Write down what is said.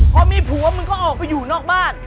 พอมีผัวมึงก็ออกไปอยู่นอกบ้าน